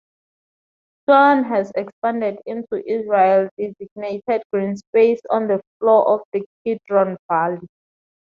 Silwan has expanded into Israeli designated greenspace on the floor of the Kidron Valley.